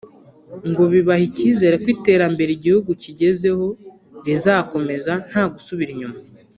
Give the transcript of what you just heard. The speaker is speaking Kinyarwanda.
ngo bibaha icyizere ko iterambere igihugu kigezeho rizakomeza ntagusubira inyuma